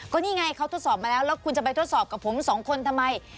ก็นี่ไงเขาทดสอบมาแล้วแล้วคุณจะไปทดสอบกับผมสองคนทำไม